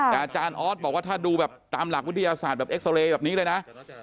แต่อาจารย์ออสบอกว่าถ้าดูแบบตามหลักวิทยาศาสตร์แบบเอ็กซอเรย์แบบนี้เลยนะ